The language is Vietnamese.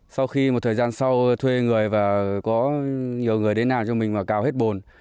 sau khi một thời gian sau thuê người và có nhiều người đến nhà cho mình mà cào hết bồn